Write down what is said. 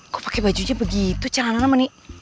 kok pakai bajunya begitu celana nama nih